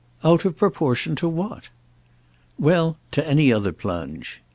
"Out of proportion to what?" "Well, to any other plunge."